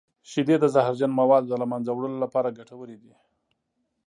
شیدې د زهرجن موادو د له منځه وړلو لپاره ګټورې دي.